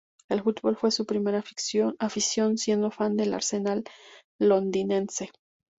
El fútbol fue su primera afición, siendo fan del Arsenal londinense.